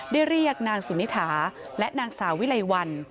เรียกนางสุนิถาและนางสาววิไลวัน